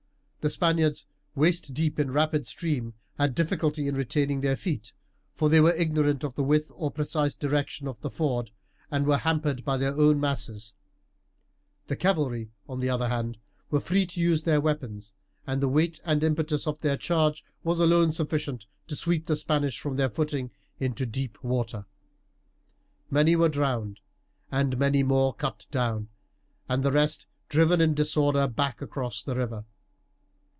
The Spaniards, waist deep in the rapid stream, had difficulty in retaining their feet, they were ignorant of the width or precise direction of the ford, and were hampered by their own masses; the cavalry, on the other hand, were free to use their weapons, and the weight and impetus of their charge was alone sufficient to sweep the Spanish from their footing into deep water. Many were drowned, many more cut down, and the rest driven in disorder back across the river.